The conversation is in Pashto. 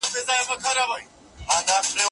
او خلک یې پوهي او شاعری ته ګوته په غاښ ونیسي.